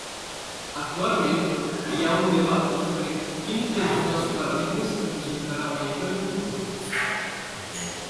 Actualment hi ha un debat sobre quin dels dos paradigmes resultarà guanyador en un futur.